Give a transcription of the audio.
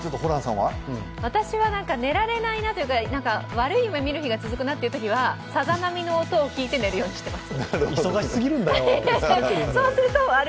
私は寝られないなっていうか悪い夢見る日が続く日はさざ波の音を聴いて寝るようにしています。